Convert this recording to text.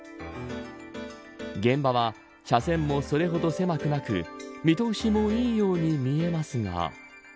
現場は車線もそれほど狭くなく見通しもいいように見えますが。